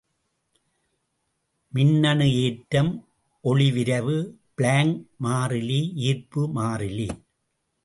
மின்னணு ஏற்றம், ஒளிவிரைவு, பிளாங் மாறிலி, ஈர்ப்பு மாறிலி.